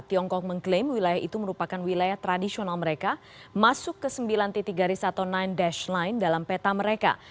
tiongkok mengklaim wilayah itu merupakan wilayah tradisional mereka masuk ke sembilan titik garis atau sembilan dash line dalam peta mereka